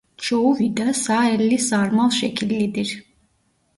Çoğu vida sağ-elli sarmal şekillidir.